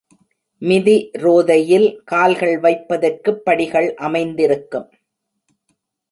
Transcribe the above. மிதி ரோதையில் கால்கள் வைப்பதற்குப் படிகள் அமைந்திருக்கும்.